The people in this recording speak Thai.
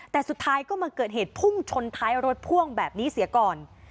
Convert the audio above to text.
แต่สุดท้ายก็มาเกิดเหตุพุ่งชนท้ายรถพ่วงแบบนี้เสียก่อน